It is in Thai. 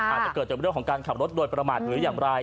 อาจจะเกิดจากเรื่องของการขับรถโดยประมาทหรืออย่างไร